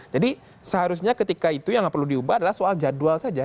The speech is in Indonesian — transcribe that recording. jadi seharusnya ketika itu yang perlu diubah adalah soal jadwal saja